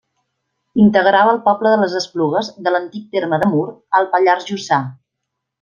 Integrava el poble de les Esplugues, de l'antic terme de Mur, al Pallars Jussà.